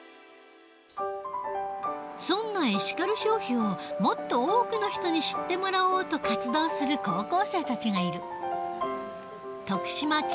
そんなエシカル消費をもっと多くの人に知ってもらおうと活動する高校生たちがいる。